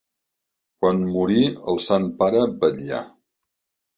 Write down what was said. Quan morí el sant pare vetllà.